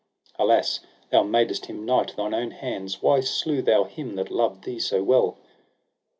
Alas thou madest him knight thine own hands; why slew thou him that loved thee so well?